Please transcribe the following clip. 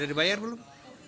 kemarin saya kumpulin